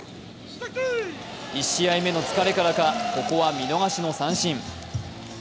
１試合目の疲れからかここは見逃しの三振。